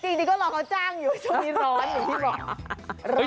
กลิดอีกก็รอขาวจ้างอยู่ชั่วนี้ร้อน